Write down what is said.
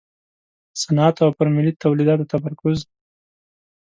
صنعت او پر ملي تولیداتو تمرکز.